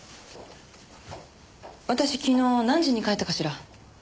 私昨日何時に帰ったかしら？